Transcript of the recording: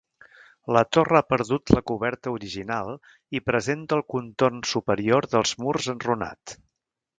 La torre ha perdut la coberta original i presenta el contorn superior dels murs enrunat.